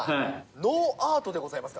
ノーアートでございますか。